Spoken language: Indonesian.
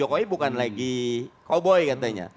jokowi bukan lagi koboi katanya